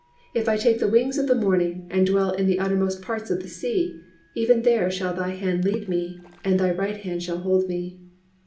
If I take the wings of the morning, and dwell in the uttermost parts of the sea; even there shall thy hand lead me, and thy right hand shall hold me."